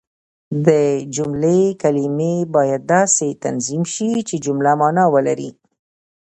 د جملې کلیمې باید داسي تنظیم سي، چي جمله مانا ولري.